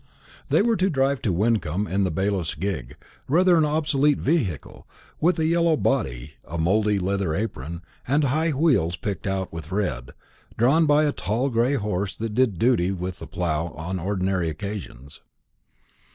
They were to drive to Wyncomb in the bailiff's gig; rather an obsolete vehicle, with a yellow body, a mouldy leather apron, and high wheels picked out with red, drawn by a tall gray horse that did duty with the plough on ordinary occasions.